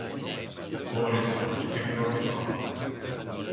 Pobreta, qué ploros fa!